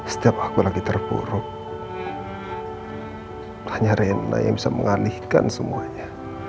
setiap aku lagi terpuruk hanya rena yang bisa mengalihkan semuanya